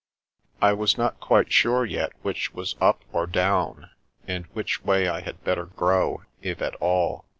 I was not quite sure yet which was up or down, and which way I had better grow, if at all.